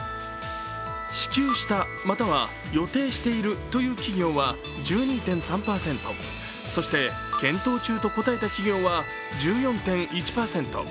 支給した、または予定しているという企業は１２．３％、そして、検討中と答えた企業は１４．１％。